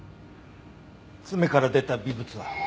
爪から出た微物は？